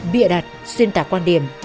bịa đặt xuyên tả quan điểm